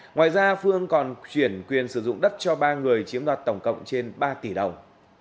ngoài ra phương còn chuyển quyền sử dụng đất cho ba người chiếm đoạt tổng cộng trên ba tỷ đồng